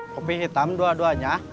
kopi hitam dua duanya